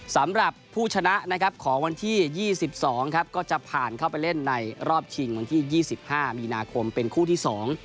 สำหรับผู้ชนะนะครับของวันที่ยี่สิบสองครับก็จะผ่านเข้าไปเล่นในรอบชิงวันที่ยี่สิบห้ามีนาคมเป็นคู่ที่สอง